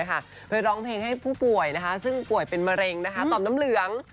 เคยร้องเพลงให้ผู้ป่วยซึ่งป่วยเป็นมะเร็งต่อมน้ำเหลือง